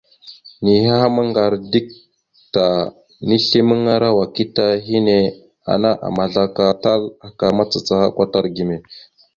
Niyaham ŋgar dik ta, nislimaŋara wakita hinne, ana àmazlaka tal aka macacaha kwatar gime.